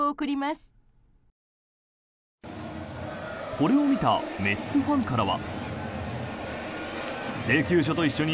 これを見たメッツファンからは。